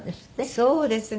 そうですね。